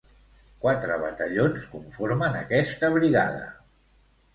Quatre batallons conformen aquesta brigada.